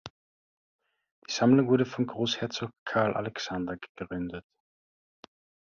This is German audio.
Die Sammlung wurde von Großherzog Carl Alexander gegründet.